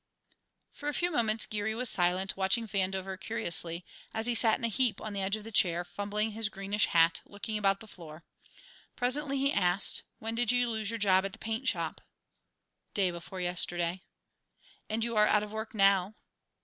For a few moments Geary was silent, watching Vandover curiously, as he sat in a heap on the edge of the chair, fumbling his greenish hat, looking about the floor. Presently he asked: "When did you lose your job at the paint shop?" "Day before yesterday." "And you are out of work now?"